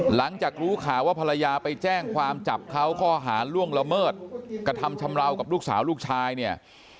หลังจากรู้ข่าวว่าภรรยาไปแจ้งความจับเขาข้อหาล่วงละเมิดกระทำชำราวกับลูกสาวลูกชายเนี่ย